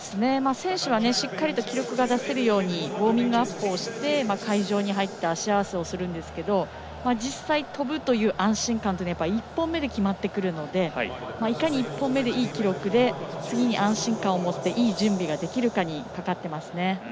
選手はしっかり記録が出せるようにウォーミングアップをして会場に入って足合わせをするんですが実際、跳ぶという安心感は１本目で決まってくるのでいかに１本目、いい記録で次に安心感を持っていい準備ができるかにかかっていますね。